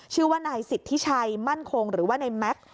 ชื่อว่านายสิทธิชัยมั่นคงหรือว่าในแม็กซ์